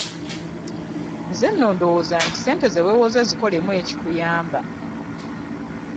Nze nno ndowooza nti ssente ze weewoze zikolemu ekikuyamba.